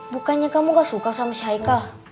bukannya kamu gak suka sama si haika